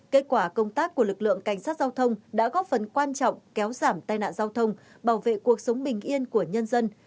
kết quả công tác của lực lượng cảnh sát giao thông đã góp phần quan trọng kéo giảm tai nạn giao thông bảo vệ cuộc sống bình yên của nhân dân